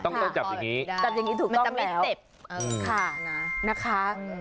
ต้องจับอย่างนี้ช่วยกล้องต้องแล้วใช่แล้วจับอย่างนี้ถูกคล่องแล้ว